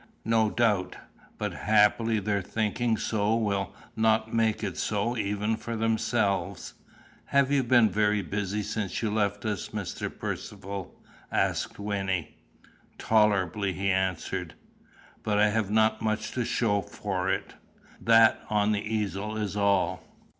"No doubt; but happily their thinking so will not make it so even for themselves." "Have you been very busy since you left us, Mr. Percivale?" asked Wynnie. "Tolerably," he answered. "But I have not much to show for it. That on the easel is all.